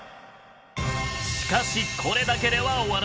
しかしこれだけでは終わらない。